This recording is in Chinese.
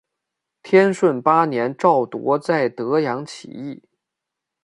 天顺八年赵铎在德阳起义。